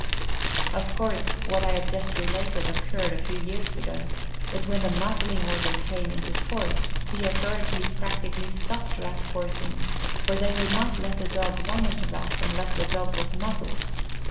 Of course, what I have just related occurred a few years ago, but when the Muzzling Order came into force, the authorities practically stopped Rat coursing, for they would not let a dog run at a Rat unless the dog was muzzled.